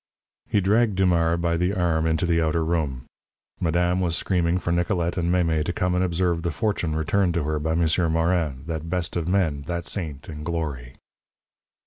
He dragged Dumars by the arm into the outer room. Madame was screaming for Nicolette and Mémé to come and observe the fortune returned to her by M'sieur Morin, that best of men, that saint in glory.